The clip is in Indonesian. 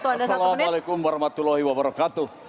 assalamu'alaikum warahmatullahi wabarakatuh